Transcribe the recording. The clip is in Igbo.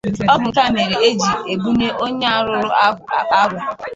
Ọ bụ nke a mere e ji ebunye onye a rụụrụ agwụ àkpà agwụ